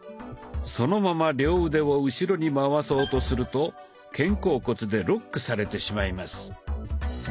そのまま両腕を後ろに回そうとすると肩甲骨でロックされてしまいます。